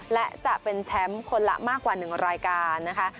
และจะเป็นแชมป์คนละมากกว่า๑รายการนะคะ